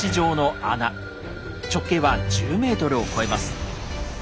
直径は１０ｍを超えます。